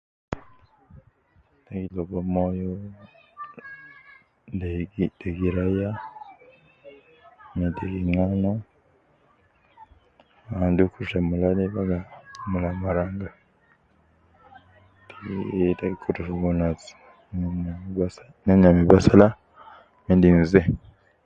Ta gi logo moyo, de degi raya me degi ngano ah dukur te mula de baga mula maranga, te gi, te gi kutu fogo nas, me nya, nyanya me basala me dinze